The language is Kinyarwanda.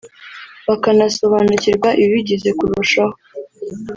bakanasobanukirwa ibibigize kurushaho